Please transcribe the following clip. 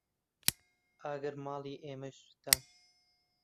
ئاگر ماڵی ئێمەی سوتاند.